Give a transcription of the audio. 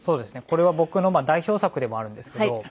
これは僕の代表作でもあるんですけど。